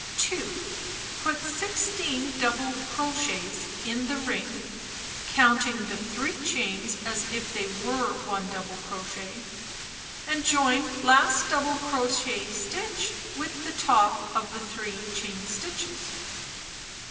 2. Put 16 dou ble crochets in the ring (counting the 3 chains as if they were one double cro chet) and join last double crochet stitch with the top of the 3 chain stitches.